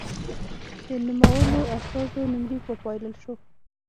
د نومولو استازو نومليک وپايلل شو.